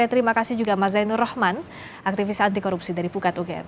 terima kasih juga mas zainur rahman aktivis anti korupsi dari pukat ugm